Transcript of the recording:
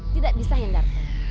tidak bisa hendarto